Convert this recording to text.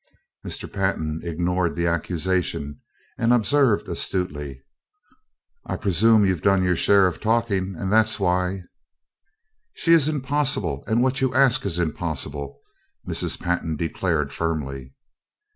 Mr. Pantin ignored the accusation, and observed astutely: "I presume you've done your share of talking, and that's why " "She is impossible, and what you ask is impossible," Mrs. Pantin declared firmly.